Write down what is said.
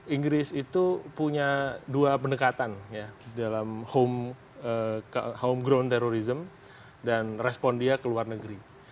inggris itu punya dua pendekatan dalam home ground terrorism dan respon dia ke luar negeri